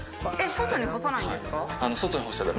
外に干さないんですか？